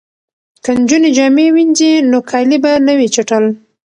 که نجونې جامې وینځي نو کالي به نه وي چټل.